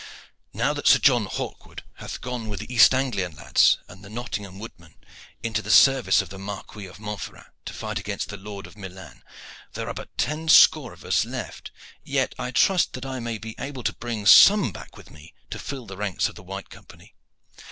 Now that Sir John Hawkwood hath gone with the East Anglian lads and the Nottingham woodmen into the service of the Marquis of Montferrat to fight against the Lord of Milan, there are but ten score of us left, yet I trust that I may be able to bring some back with me to fill the ranks of the White Company.